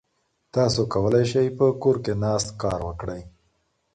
تاسو کولای شئ په کور کې ناست کار وکړئ.